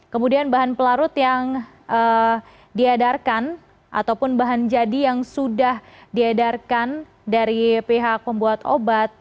kemudian bahan pelarut yang diedarkan ataupun bahan jadi yang sudah diedarkan dari pihak membuat obat